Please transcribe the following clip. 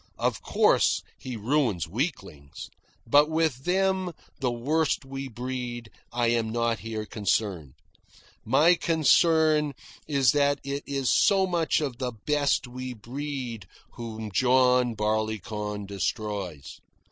Of course, he ruins weaklings; but with them, the worst we breed, I am not here concerned. My concern is that it is so much of the best we breed whom John Barleycorn destroys.